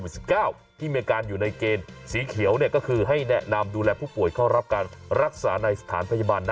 ที่มีอาการอยู่ในเกณฑ์สีเขียวเนี่ยก็คือให้แนะนำดูแลผู้ป่วยเข้ารับการรักษาในสถานพยาบาลนะ